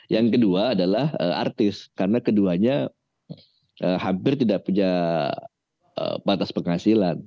yang kedua adalah artis karena keduanya hampir tidak punya batas penghasilan